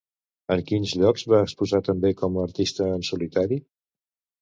En quins llocs va exposar també com a artista en solitari?